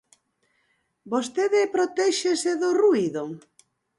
Vostede protéxese do ruído?